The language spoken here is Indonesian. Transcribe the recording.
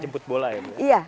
jemput bola ya